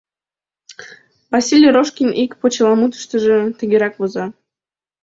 Василий Рожкин ик почеламутыштыжо тыгерак воза: